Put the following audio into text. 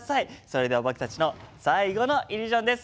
それでは僕たちの最後のイリュージョンです。